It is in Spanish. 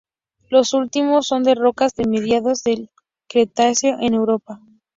Los últimos son de rocas de mediados del Cretáceo en Europa.